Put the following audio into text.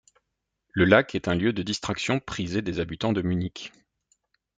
Le lac est un lieu de distraction prisé des habitants de Munich.